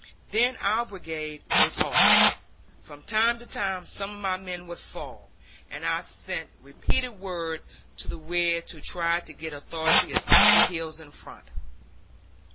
Then our brigade was halted. From time to time some of our men would fall, and I sent repeated word to the rear to try to get authority to attack the hills in front.